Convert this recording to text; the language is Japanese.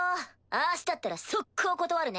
あしだったら即行断るね。